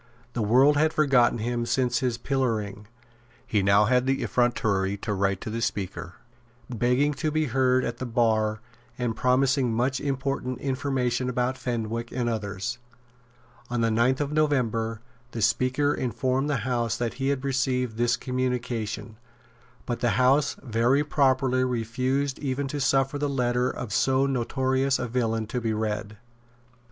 The world had forgotten him since his pillorying. He now had the effrontery to write to the Speaker, begging to be heard at the bar and promising much important information about Fenwick and others. On the ninth of November the Speaker informed the House that he had received this communication; but the House very properly refused even to suffer the letter of so notorious a villain to be read.